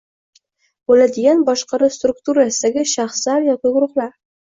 bo‘ladigan boshqaruv strukturasidagi shaxslar yoki guruhlar